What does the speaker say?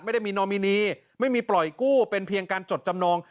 ไม่ได้มีนอมินีไม่มีปล่อยกู้เป็นเพียงการจดจำนอง